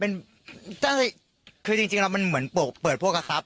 เป็นแบบนี้ค่ะเอ่อเป็นคือจริงจริงแล้วมันเหมือนเปิดพวกกระทับ